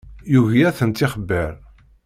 Yugi ad tent-ixebber.